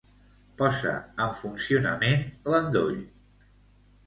Posa en funcionament l'endoll.